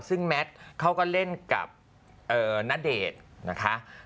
ซึ่งแมทเขาก็เล่นกับณเดชน์นะคะ